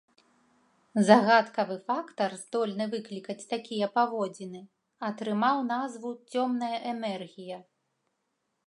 Загадкавы фактар, здольны выклікаць такія паводзіны, атрымаў назву цёмная энергія.